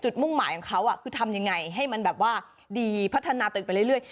มุ่งหมายของเขาคือทำยังไงให้มันแบบว่าดีพัฒนาตัวเองไปเรื่อย